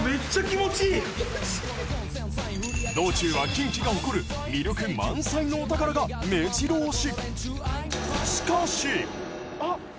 道中は近畿が誇る魅力満載のお宝がめじろ押し。